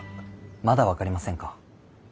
まだ分かりませんか？